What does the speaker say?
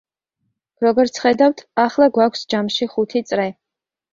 როგორც ხედავთ, ახლა გვაქვს ჯამში ხუთი წრე.